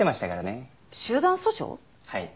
はい。